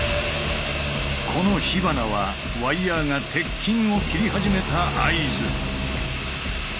この火花はワイヤーが鉄筋を切り始めた合図。